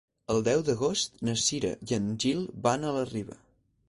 El deu d'agost na Cira i en Gil van a la Riba.